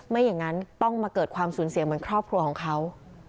ไม่อย่างนั้นต้องมาเกิดความสูญเสียเหมือนครอบครัวของเขา